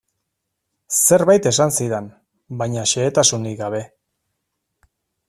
Zerbait esan zidan, baina xehetasunik gabe.